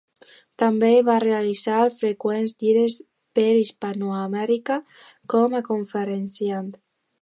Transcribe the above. També va realitzar freqüents gires per Hispanoamèrica com a conferenciant.